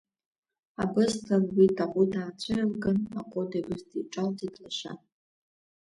Абысҭа луит, аҟәыд аацәырылган, аҟәыди абысҭеи иҿалҵеит лашьа.